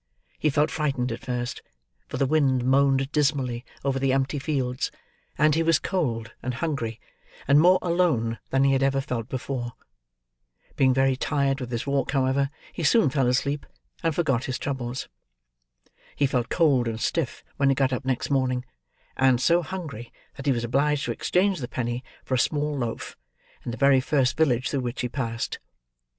He felt frightened at first, for the wind moaned dismally over the empty fields: and he was cold and hungry, and more alone than he had ever felt before. Being very tired with his walk, however, he soon fell asleep and forgot his troubles. He felt cold and stiff, when he got up next morning, and so hungry that he was obliged to exchange the penny for a small loaf, in the very first village through which he passed.